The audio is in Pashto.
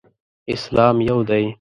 اسلام یو دی.